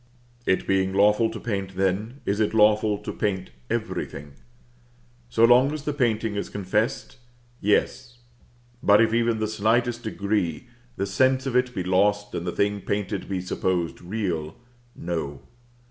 It being lawful to paint then, is it lawful to paint everything? So long as the painting is confessed yes; but if, even in the slightest degree, the sense of it be lost, and the thing painted be supposed real no.